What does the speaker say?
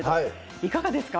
いかがですか？